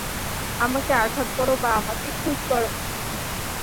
আমাকে আঘাত করো বা আমাকে খুন করো।